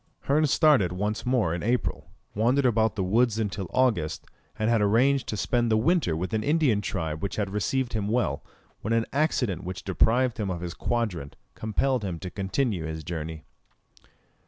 Hearn started once more in April, wandered about the woods until August, and had arranged to spend the winter with an Indian tribe which had received him well, when an accident which deprived him of his quadrant compelled him to continue his journey.